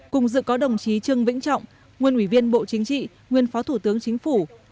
cùng dự có đồng chí trương vĩnh trọng nguyên ủy viên bộ chính trị nguyên phó thủ tướng chính phủ